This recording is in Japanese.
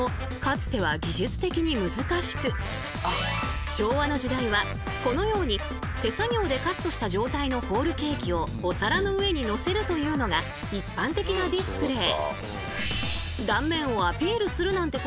実はこれも昭和の時代はこのように手作業でカットした状態のホールケーキをお皿の上にのせるというのが一般的なディスプレー。